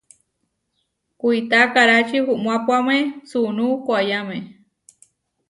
Kuitá karáči uhumuápuame suunú koayáme.